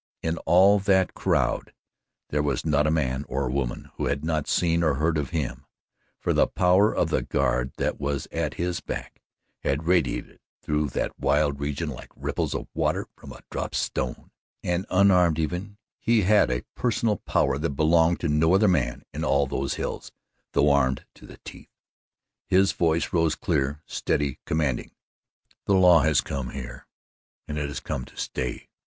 In all that crowd there was not a man or a woman who had not seen or heard of him, for the power of the guard that was at his back had radiated through that wild region like ripples of water from a dropped stone and, unarmed even, he had a personal power that belonged to no other man in all those hills, though armed to the teeth. His voice rose clear, steady, commanding: "The law has come here and it has come to stay."